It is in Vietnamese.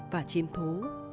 và chim thú